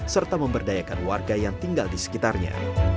serta memberdayakan warga yang tinggal di sekitarnya